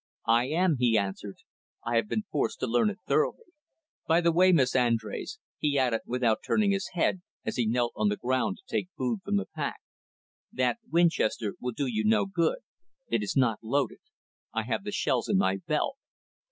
"I am," he answered. "I have been forced to learn it thoroughly. By the way, Miss Andrés," he added, without turning his head, as he knelt on the ground to take food from the pack, "that Winchester will do you no good. It is not loaded. I have the shells in my belt."